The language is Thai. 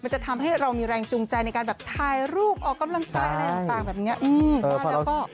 จะทำให้เรามีแรงจุงใจในการทายรูปออกกำลังกายอะไรต่าง